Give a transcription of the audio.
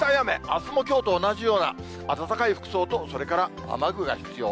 あすもきょうと同じような暖かい服装と、それから雨具が必要。